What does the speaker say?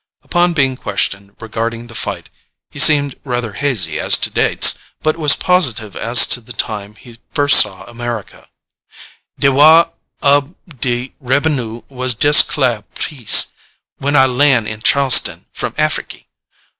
Upon being questioned regarding the fight, he seemed rather hazy as to dates, but was positive as to the time he first saw America: "De wah ob de rebenue was jes' clar' peace when I land at Charleston from Afriky.